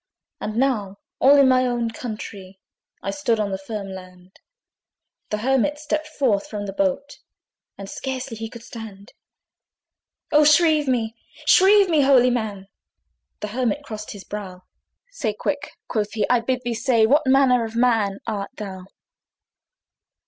And now, all in my own countree, I stood on the firm land! The Hermit stepped forth from the boat, And scarcely he could stand. "O shrieve me, shrieve me, holy man!" The Hermit crossed his brow. "Say quick," quoth he, "I bid thee say What manner of man art thou?"